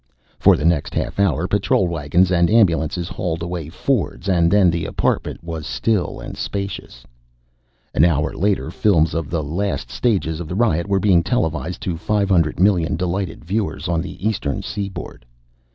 For the next half hour, patrol wagons and ambulances hauled away Fords, and then the apartment was still and spacious. An hour later, films of the last stages of the riot were being televised to 500,000,000 delighted viewers on the Eastern Seaboard.